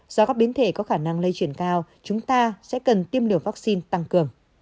do các biến thể có khả năng lây chuyển cao chúng ta sẽ cần tiêm liều vaccine tăng cường